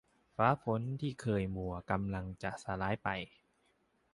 ฟ้าฝนที่เคยมัวกำลังจะสลายไป